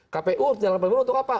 kpu jalan pemilu untuk apa